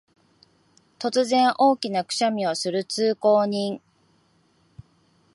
突然、大きなくしゃみをする通行人